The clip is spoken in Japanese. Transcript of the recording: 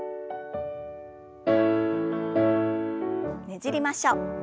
ねじりましょう。